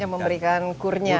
yang memberikan kurnya ya